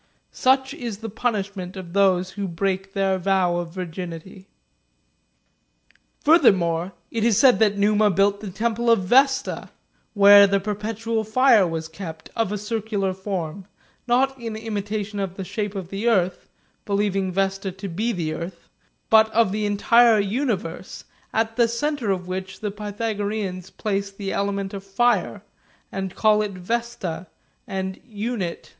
Such is the punishment of those who break their vow of virginity. XI. Furthermore, it is said that Numa built the temple of Vesta, where the perpetual fire was kept, of a circular form, not in imitation of the shape of the earth, believing Vesta to be the earth, but of the entire universe, at the centre of which the Pythago reans place the element of fire, and call it Vesta and Unit.